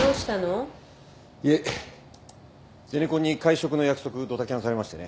いえゼネコンに会食の約束ドタキャンされましてね。